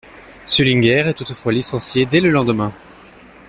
Sullinger est toutefois licencié dès le lendemain.